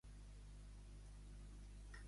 Ni aquí, ni a Espanya.